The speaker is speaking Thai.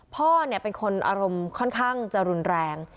พ่อเป็นคนอารมณ์ค่อนข้างจะรุนแรง